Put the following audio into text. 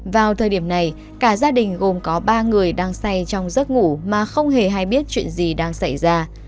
vào thời điểm này cả gia đình gồm có ba người đang say trong giấc ngủ mà không hề hay biết chuyện gì đang xảy ra